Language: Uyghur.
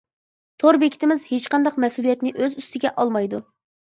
تور بېكىتىمىز ھېچقانداق مەسئۇلىيەتنى ئۆز ئۈستىگە ئالمايدۇ!